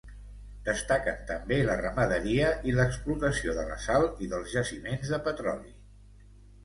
Destaquen també la ramaderia i l'explotació de la sal i dels jaciments de petroli.